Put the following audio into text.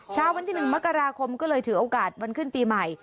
เช้าวันที่๑มกราคมก็เลยถือโอกาสวันขึ้นปีใหม่